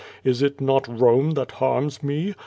Is it not Rome that harms me?